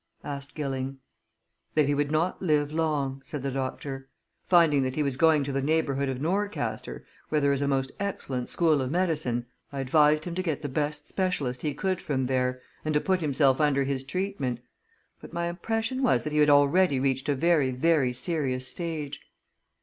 asked Gilling. "That he would not live long," said the doctor. "Finding that he was going to the neighbourhood of Norcaster, where there is a most excellent school of medicine, I advised him to get the best specialist he could from there, and to put himself under his treatment. But my impression was that he had already reached a very, very serious stage."